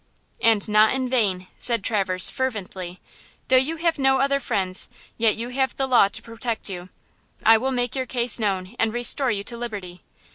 "And not in vain!" said Traverse, fervently, "though you have no other friends, yet you have the law to protect you. I will make your case known and restore you to liberty.